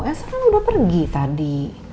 besok kan udah pergi tadi